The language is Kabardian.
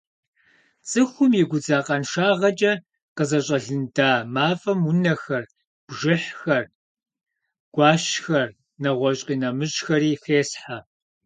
ЦӀыхум и гудзакъэншагъэкӀэ къызэщӀэлында мафӀэм унэхэр, бжыхьхэр, гуэщхэр нэгъуэщӏ къинэмыщӏхэри хесхьэ.